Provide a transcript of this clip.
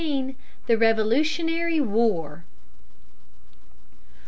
THE REVOLUTIONARY WAR.